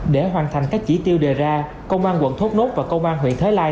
để hoàn thành các chỉ tiêu đề ra công an quận thốt nốt và công an huyện thới lai